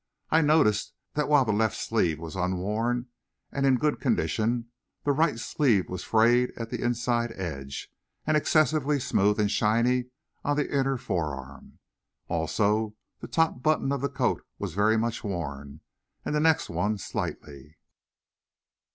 I noticed that while the left sleeve was unworn and in good condition, the right sleeve was frayed at the inside edge, and excessively smooth and shiny on the inner forearm. Also the top button of the coat was very much worn, and the next one slightly.